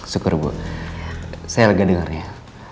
syukur bu saya lega dengarnya